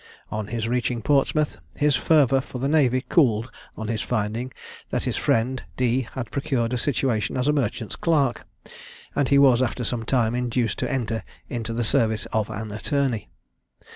On his reaching Portsmouth, his fervour for the navy cooled on his finding that his friend D had procured a situation as a merchant's clerk, and he was, after some time, induced to enter into the service of an attorney.